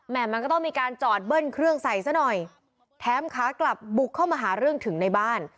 มันก็ต้องมีการจอดเบิ้ลเครื่องใส่ซะหน่อยแถมขากลับบุกเข้ามาหาเรื่องถึงในบ้าน